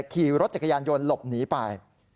ขี่รถจักรยานยนต์หลบหนีไป